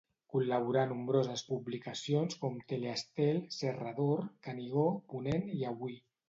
Col·laborà a nombroses publicacions com Tele-Estel, Serra d'Or, Canigó, Ponent i Avui.